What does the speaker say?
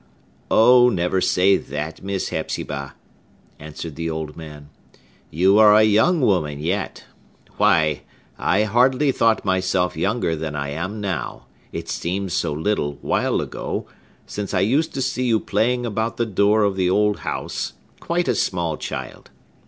"Oh, never say that, Miss Hepzibah!" answered the old man. "You are a young woman yet. Why, I hardly thought myself younger than I am now, it seems so little while ago since I used to see you playing about the door of the old house, quite a small child!